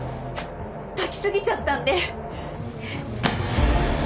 炊き過ぎちゃったんで！